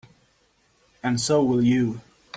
And so will you.